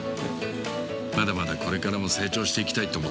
まだまだこれからも成長していきたいって思ってるよ。